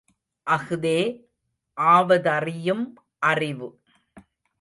அஃதே ஆவதறியும் அறிவு!